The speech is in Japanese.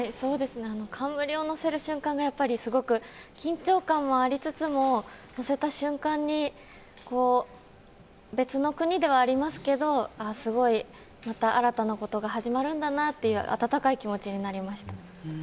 冠を載せる瞬間がすごく緊張感もありつつも載せた瞬間に別の国ではありますけどすごいまた新たなことが始まるんだなという温かい気持ちになりました。